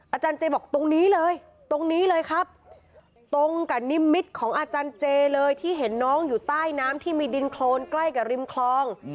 อาจารย์เจบอกตรงนี้เลยตรงนี้เลยครับตรงกับนิมิตของอาจารย์เจเลยที่เห็นน้องอยู่ใต้น้ำที่มีดินโครนใกล้กับริมคลอง